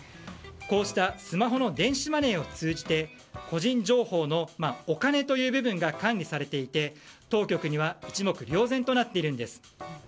こうしたスマホの電子マネーを通じて個人情報のお金という部分が管理されていて当局には一目瞭然となっているんです。